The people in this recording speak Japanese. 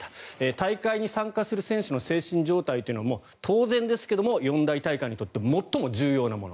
大会に参加する選手の精神状態は当然ですが四大大会にとって最も重要なもの。